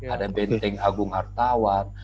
ada benteng agung hartawan